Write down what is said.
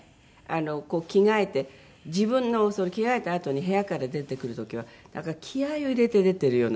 こう着替えて自分の着替えたあとに部屋から出てくる時は気合を入れて出ているような。